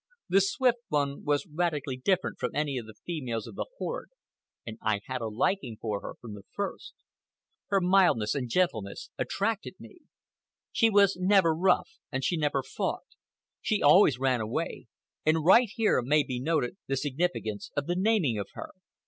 The Swift One was radically different from any of the females of the horde, and I had a liking for her from the first. Her mildness and gentleness attracted me. She was never rough, and she never fought. She always ran away, and right here may be noted the significance of the naming of her.